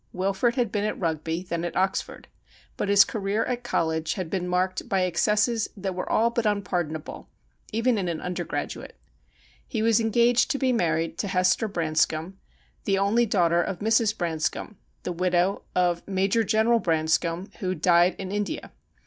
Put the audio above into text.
Wilfrid had been at Eugby, then at Oxford, but his career at college had been marked by excesses that were all but unpardonable, even in an undergraduate. He was engaged to be married to Heste r Branscombe, the only daughter of Mrs. Branscombe, the widow of Major General Branscombe, who had died in India.